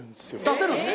出せるんです。